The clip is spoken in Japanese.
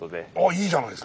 いいじゃないですか。